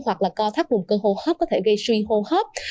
hoặc là co thắt vùng cơ hô hấp có thể gây suy hô hấp